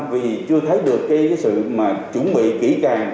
vì chưa thấy được cái sự mà chuẩn bị kỹ càng